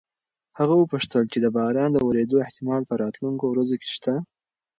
هغه وپوښتل چې د باران د ورېدو احتمال په راتلونکو ورځو کې شته؟